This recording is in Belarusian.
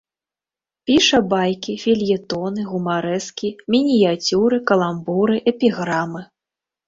Піша байкі, фельетоны, гумарэскі, мініяцюры, каламбуры, эпіграмы.